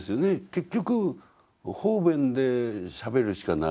結局方便でしゃべるしかない。